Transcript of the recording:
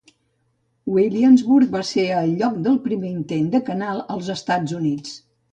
Williamsburg va ser el lloc del primer intent de canal als Estats Units.